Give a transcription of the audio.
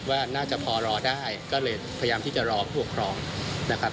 ว่าน่าจะพอรอได้ก็เลยพยายามที่จะรอผัวครอง